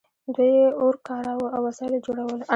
دوی اور کاراوه او وسایل یې جوړول.